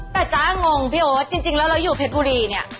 แต่จ้างงพี่โอ๊ตจริงแล้วเราอยู่เพชรบุรีเนี่ย